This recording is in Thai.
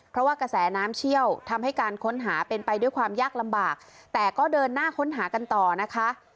เพราะว่ากระแสน้ำเชี่ยวทำให้การค้นหาเป็นไปด้วยความยากลำบากแต่ก็เดินหน้าค้นหากันต่อนะคะ